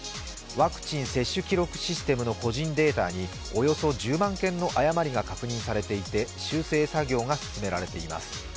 ワクチン接種記録システムの個人データにおよそ１０万件の誤りが確認されていて、修正作業が進められています